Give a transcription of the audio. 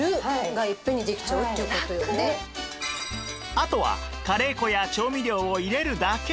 あとはカレー粉や調味料を入れるだけ